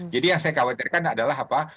yang saya khawatirkan adalah apa